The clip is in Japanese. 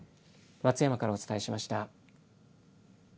松山からお伝えしました。